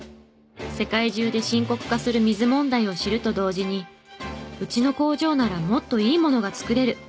世界中で深刻化する水問題を知ると同時に「うちの工場ならもっといいものが作れる！」